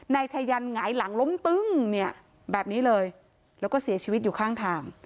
นายชายันหงายหลังล้มตึ้งเนี่ยแบบนี้เลยแล้วก็เสียชีวิตอยู่ข้างทาง